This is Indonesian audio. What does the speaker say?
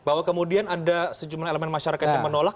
bahwa kemudian ada sejumlah elemen masyarakat yang menolak